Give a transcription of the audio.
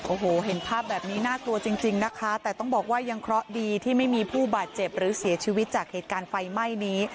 โอ้โหเห็นภาพแบบนี้น่ากลัวจริงจริงนะคะแต่ต้องบอกว่ายังเคราะห์ดีที่ไม่มีผู้บาดเจ็บหรือเสียชีวิตจากเหตุการณ์ไฟไหม้นี้